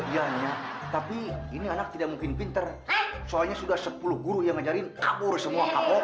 iya iya tapi ini anak tidak mungkin pinter soalnya sudah sepuluh guru yang ngajarin kapur semua kapok